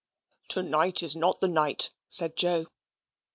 "To night is not the night," said Joe.